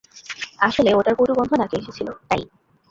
আসলে ওটার কটু গন্ধ নাকে এসেছিল, তাই।